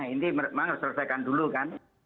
ini memang harus diselesaikan dulu kan